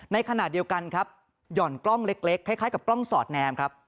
ในขณะเดียวกันครับหย่อนกล้องเล็กคล้ายกับกล้องสอดแนมครับ